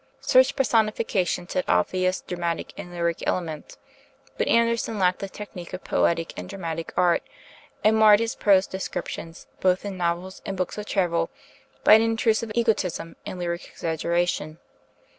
Such personification has obvious dramatic and lyric elements; but Andersen lacked the technique of poetic and dramatic art, and marred his prose descriptions, both in novels and books of travel, by an intrusive egotism and lyric exaggeration.